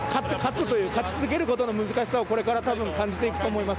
勝ち続けることの難しさをこれから感じていくと思います。